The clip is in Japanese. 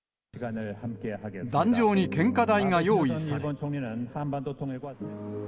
壇上に献花台が用意され。